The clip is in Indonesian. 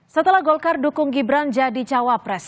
setelah golkar dukung gibran jadi cawapres